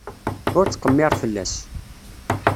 Ur ttqemmir fell-as.